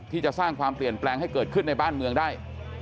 ที่จะสร้างความเปลี่ยนแปลงให้เกิดขึ้นในบ้านเมืองได้